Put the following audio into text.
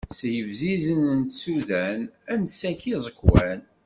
S yebzizen n tsudan ad nessaki iẓekwan.